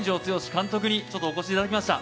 監督にお越しいただきました。